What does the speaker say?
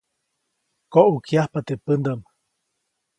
Koʼäkyajpa teʼ pändaʼm.